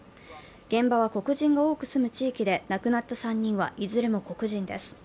現場は黒人が多く住む地域で亡くなった３人はいずれも黒人です。